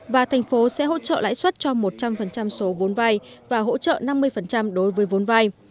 và tp hcm sẽ hỗ trợ lãi suất cho một trăm linh số vốn vai và hỗ trợ năm mươi đối với vốn vai